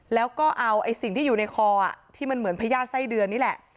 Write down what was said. แล้วก็เอาสิ่งที่อยู่ในคอที่มันเหมือนพญาติไส้เดือนนี่แหละ